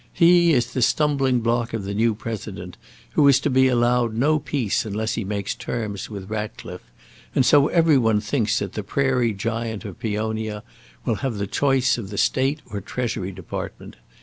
He is the stumbling block of the new President, who is to be allowed no peace unless he makes terms with Ratcliffe; and so every one thinks that the Prairie Giant of Peonia will have the choice of the State or Treasury Department.